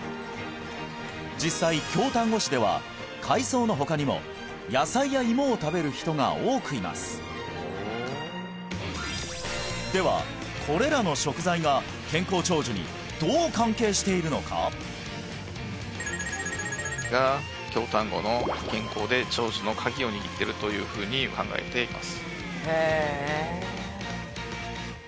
実際京丹後市では海藻の他にも野菜や芋を食べる人が多くいますではこれらの食材が健康長寿にどう関係しているのか？というふうに考えています